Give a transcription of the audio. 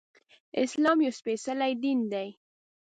اسلام يو سپيڅلی دين دی